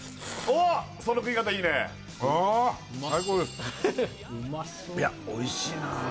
あいやおいしいなああ